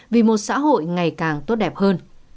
vì một xã hội ngày càng tốt đẹp hơn